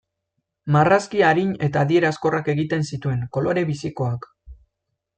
Marrazki arin eta adierazkorrak egiten zituen, kolore bizikoak.